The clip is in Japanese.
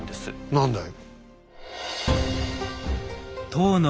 何だい？